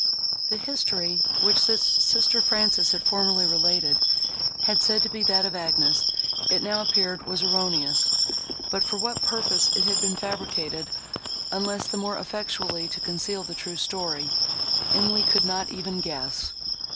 The history, which sister Frances had formerly related, and had said to be that of Agnes, it now appeared, was erroneous; but for what purpose it had been fabricated, unless the more effectually to conceal the true story, Emily could not even guess.